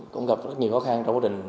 cũng gặp rất nhiều khó khăn trong quá trình